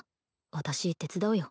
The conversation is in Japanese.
私手伝うよ